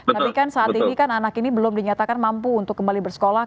tapi kan saat ini kan anak ini belum dinyatakan mampu untuk kembali bersekolah